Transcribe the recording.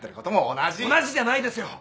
同じじゃないですよ！